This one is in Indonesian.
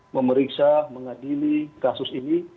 memeriksa mengadili kasus ini